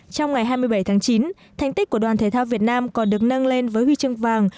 trong ngày hai mươi bảy tháng chín thành tích của đoàn thể thao việt nam còn được nâng lên với huy chương vàng